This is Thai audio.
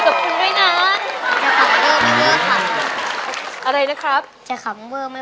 ยังไม่มีให้รักยังไม่มี